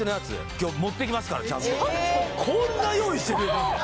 今日持っていきますからちゃんとこんな用意してくれたんだよ